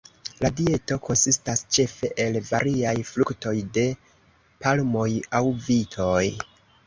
La dieto konsistas ĉefe el variaj fruktoj, de palmoj aŭ vitoj.